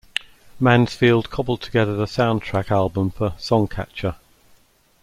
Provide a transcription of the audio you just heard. Mansfield cobbled together the soundtrack album for "Songcatcher".